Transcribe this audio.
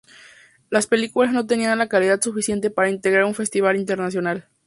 Las películas no tenían la calidad suficiente para integrar un festival internacional.